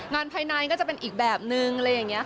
งานภายในก็จะเป็นอีกแบบนึง